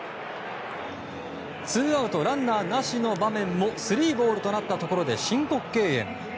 ツーアウトランナーなしの場面もスリーボールとなったところで申告敬遠。